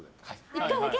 １回だけ？